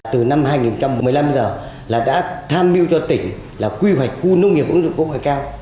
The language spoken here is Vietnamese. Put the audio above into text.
từ năm hai nghìn một mươi năm giờ là đã tham mưu cho tỉnh là quy hoạch khu nông nghiệp ứng dụng công nghệ cao